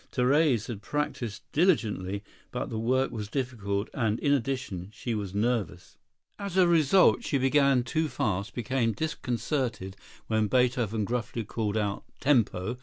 Therese had practised diligently, but the work was difficult and, in addition, she was nervous. As a result she began too fast, became disconcerted when Beethoven gruffly called out "Tempo!"